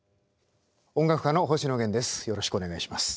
音楽家の星野源です。